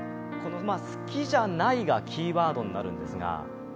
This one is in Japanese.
好きじゃないがキーワードになるんですが。